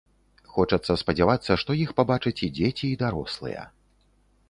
Хочацца спадзявацца, што іх пабачаць і дзеці і дарослыя.